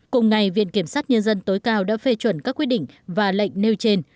cùng ngày viện kiểm sát nhân dân tối cao đã phê chuẩn các quyết định và lệnh nêu trên